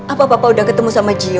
apa bapak udah ketemu sama jio